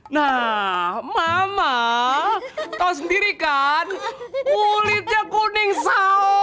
nah mama tau sendiri kan kulitnya kuning saok